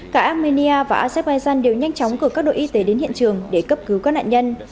cả armenia và azerbaijan đều nhanh chóng cử các đội y tế đến hiện trường để cấp cứu các nạn nhân